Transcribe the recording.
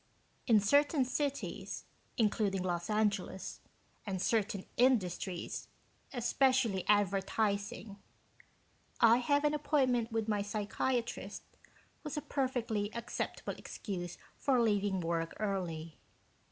In certain cities including Los Angeles and certain industries especially advertising "I have an appointment with my psychiatrist" was a perfectly acceptable excuse for leaving work early.